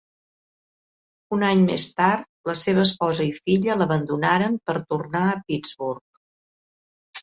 Un any més tard, la seva esposa i filla l'abandonaren per tornar a Pittsburgh.